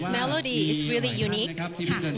และแม้จะเป็นนักดนตรีต่างชาติก็รู้สึกรักพระองค์ท่านจากหัวใจ